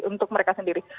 untuk mereka sendiri